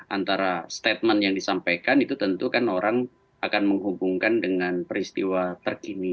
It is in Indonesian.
antara statement yang disampaikan itu tentu kan orang akan menghubungkan dengan peristiwa terkini